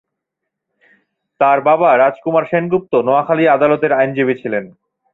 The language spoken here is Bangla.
তার বাবা রাজকুমার সেনগুপ্ত নোয়াখালী আদালতের আইনজীবী ছিলেন।